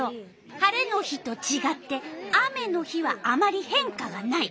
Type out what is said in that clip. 晴れの日とちがって雨の日はあまり変化がない。